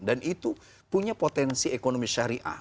dan itu punya potensi ekonomi syariah